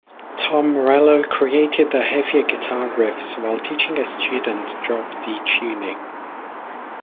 Tom Morello created the heavier guitar riffs while teaching a student drop D tuning.